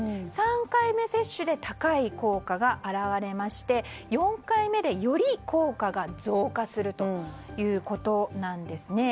３回目接種で高い効果が表れまして４回目で、より効果が増加するということなんですね。